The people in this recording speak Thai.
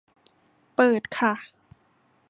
เปิดค่ะ